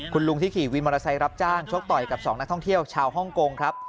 คุณลุงที่ขี่วินมอเตอร์ไซค์รับจ้างชกต่อยกับ๒นักท่องเที่ยวชาวฮ่องกงครับ